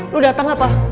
lo dateng apa